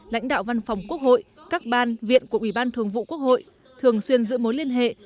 lãnh đạo văn phòng quốc hội các ban viện của ủy ban thường vụ quốc hội thường xuyên giữ mối liên hệ